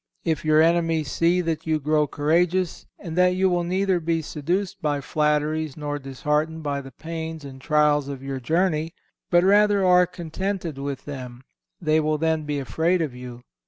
If your enemies see that you grow courageous, and that you will neither be seduced by flatteries nor disheartened by the pains and trials of your journey, but rather are contented with them, they will then be afraid of you.